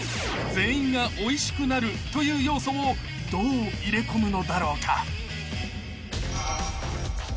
［全員がおいしくなるという要素をどう入れ込むのだろうか？］